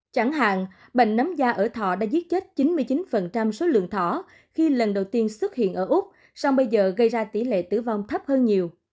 chẳng hạn bệnh nấm da ở thọ đã giết chết chín mươi chín số lượng thỏ khi lần đầu tiên xuất hiện ở úc sau bây giờ gây ra tỷ lệ tử vong thấp hơn nhiều